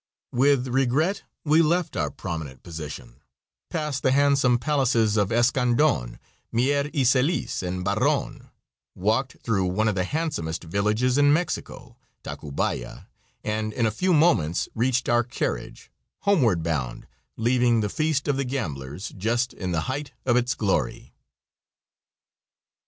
With regret we left our prominent position, passed the handsome palaces of Escandon, Mier y Celis and Barron, walked through one of the handsomest villages in Mexico Tacubaya and in a few moments reached our carriage, homeward bound, leaving the "Feast of the Gamblers," just in the height of its glory.